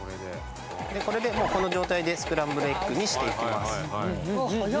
これでもうこの状態でスクランブルエッグにしていきます。